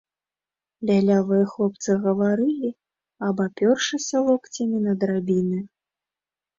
Бялявыя хлопцы гаварылі, абапёршыся локцямі на драбіны.